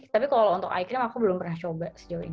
tapi kalau untuk eye cream aku belum pernah coba sejauh ini